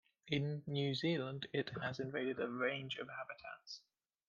In New Zealand, it has invaded a range of habitats.